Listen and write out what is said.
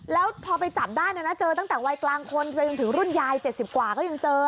แล้วพอไปจับได้นะเจอตั้งแต่วัยกลางคนไปจนถึงรุ่นยาย๗๐กว่าก็ยังเจอ